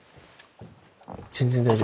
全然大丈夫。